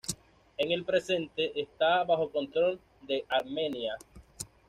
En el presente, está bajo control de Armenia.